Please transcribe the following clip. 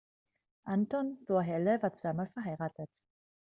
Anton thor Helle war zweimal verheiratet.